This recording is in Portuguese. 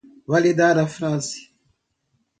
validar a frase